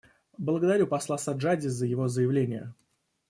Благодарю посла Саджади за его заявление.